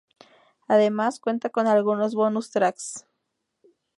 Además, cuenta con algunos bonus tracks.